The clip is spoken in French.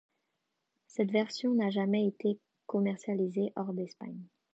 Cette version n'a jamais été commercialisée hors d'Espagne.